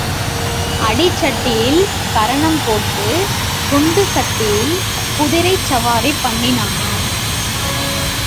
அடிச்சட்டியில் கரணம் போட்டுக் குண்டு சட்டியில் குதிரைச் சவாரி பண்ணினானாம்.